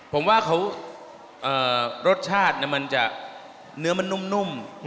ผมว่ารสชาติเนื้อมันนุ่ม